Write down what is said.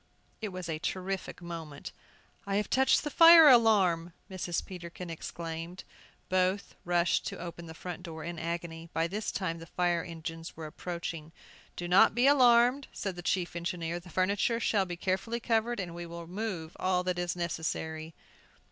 It was a terrific moment! "I have touched the fire alarm," Mrs. Peterkin exclaimed. Both rushed to open the front door in agony. By this time the fire engines were approaching. "Do not be alarmed," said the chief engineer; "the furniture shall be carefully covered, and we will move all that is necessary."